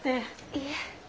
いえ。